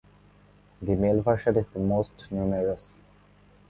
The male version is the most numerous.